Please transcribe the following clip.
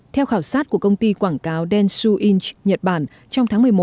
theo khảo sát của công ty quảng cáo densu inch nhật bản trong tháng một mươi một